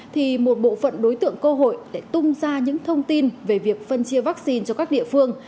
thì một bộ phận đối tượng cơ hội lại tung ra những thông tin về việc phân chia vaccine cho các địa phương